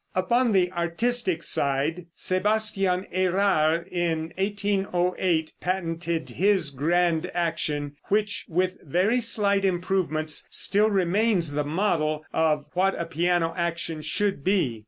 Upon the artistic side, Sebastian Érard in 1808 patented his grand action, which, with very slight improvements, still remains the model of what a piano action should be.